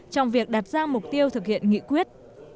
trong việc đặt ra mục tiêu thực hiện nghị quyết